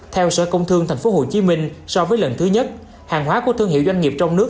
theo sở công thương tp hcm so với lần thứ nhất hàng hóa của thương hiệu doanh nghiệp trong nước